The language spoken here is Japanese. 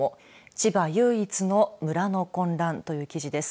千葉唯一の村の混乱という記事です。